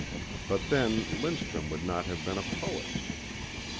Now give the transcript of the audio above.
But then Lindstrum would not have been a poet.